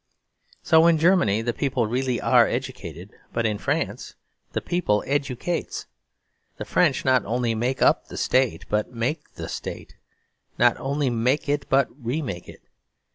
So in Germany the people really are educated; but in France the people educates. The French not only make up the State, but make the State; not only make it, but remake it.